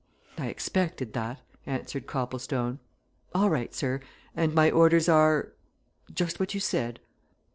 "I expected that," answered Copplestone. "All right, sir. And my orders are just what you said."